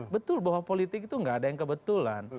betul bahwa politik itu nggak ada yang kebetulan